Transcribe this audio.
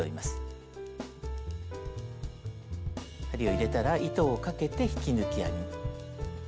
針を入れたら糸をかけて引き抜き編み。